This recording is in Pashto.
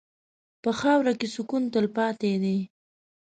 په خاوره کې سکون تلپاتې دی.